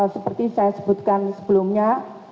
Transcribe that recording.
seperti saya sebutkan sebelumnya